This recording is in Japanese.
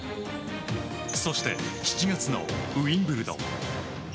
そして７月のウィンブルドン。